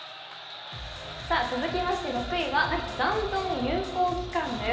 続きまして６位は残存有効期間です。